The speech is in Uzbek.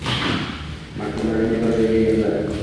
Maktublaringni bir joyga yig’di